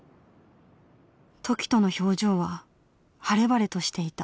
凱人の表情は晴れ晴れとしていた。